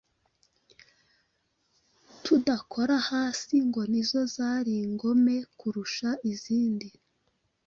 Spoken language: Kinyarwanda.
tudakora hasi ngo nizo zari ingome kurusha izindi